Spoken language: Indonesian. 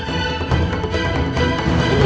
kau bukan kawan